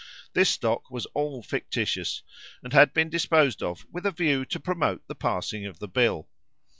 This stock was all fictitious, and had been disposed of with a view to promote the passing of the bill.